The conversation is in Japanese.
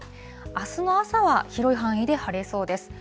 あすの朝は広い範囲で晴れそうです。